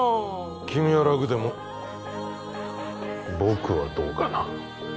君は楽でも僕はどうかな。